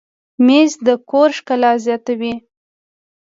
مېز د کور ښکلا زیاتوي.